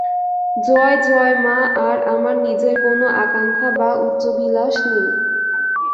জয়, জয় মা! আর আমার নিজের কোন আকাঙ্ক্ষা বা উচ্চাভিলাষ নাই।